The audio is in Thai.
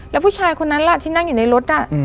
แล้วผู้ชายคนนั้นล่ะที่นั่งอยู่ในรถ